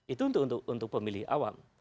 itu untuk pemilih awam